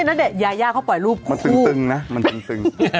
ณเดชนยายาเขาปล่อยรูปมันซึงนะมันตึง